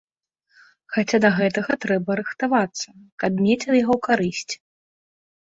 Хаця да гэтага трэба рыхтавацца, каб мець ад яго карысць.